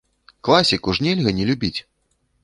Класіку ж нельга не любіць!